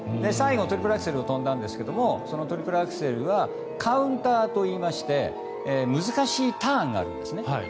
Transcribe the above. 最後にトリプルアクセルを跳んだんですけどそのトリプルアクセルはカウンターといいまして難しいターンがあるんです。